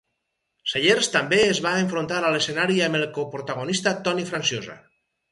Sellers també es va enfrontar a l"escenari amb el coprotagonista Tony Franciosa.